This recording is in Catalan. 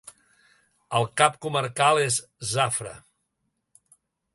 El cap comarcal és Zafra.